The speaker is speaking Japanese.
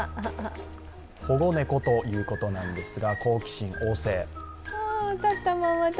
保護猫ということなんですが、好奇心旺盛。